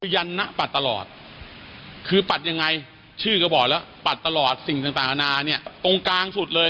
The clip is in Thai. ยันนะปัดตลอดคือปัดยังไงชื่อก็บอกแล้วปัดตลอดสิ่งต่างนานาเนี่ยตรงกลางสุดเลย